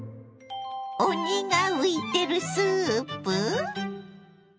鬼が浮いてるスープ？